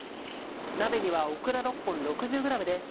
鍋にはオクラ６本６０ｇです。